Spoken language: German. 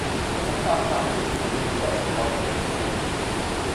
Der Vertrag kam durch die Vermittlung deutscher Kaufleute zustande.